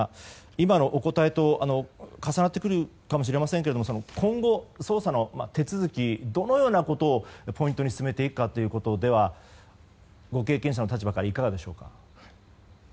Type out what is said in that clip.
今のお答えと重なってくるかもしれませんが今後、捜査の手続きどのようなことをポイントに進めていくかということではご経験者の立場からいかがでしょうか。